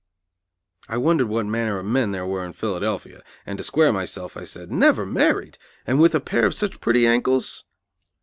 I wondered what manner of men there were in Philadelphia, and, to square myself, I said: "Never married! and with a pair of such pretty ankles!"